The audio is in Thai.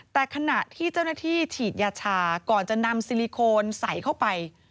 แต่ขณะที่เจ้าหน้าที่ฉีดยาชาก่อนจะนำซิลิโคนใส่เข้าไป